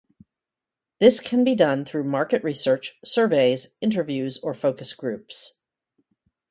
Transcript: This can be done through market research, surveys, interviews, or focus groups.